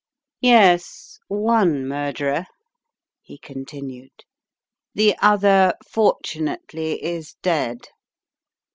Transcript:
"Yes, one murderer," he continued, "the other, fortunately, is dead.